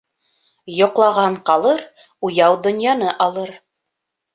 Йоҡлаған ҡалыр, уяу донъяны алыр.